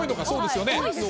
そうですよね。